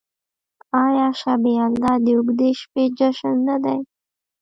آیا شب یلدا د اوږدې شپې جشن نه دی؟